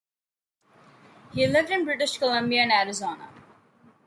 He lived in British Columbia and Arizona.